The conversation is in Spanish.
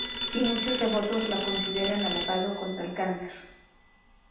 Y muchos devotos lo consideran abogado contra el Cáncer.